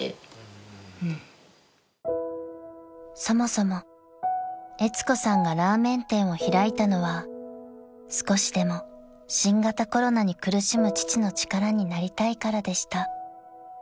［そもそもえつ子さんがラーメン店を開いたのは少しでも新型コロナに苦しむ父の力になりたいからでした］